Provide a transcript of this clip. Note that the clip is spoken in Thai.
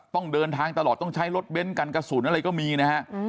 ต้องเดินทางตลอดต้องใช้รถเบ้นกันกระสุนอะไรก็มีนะฮะ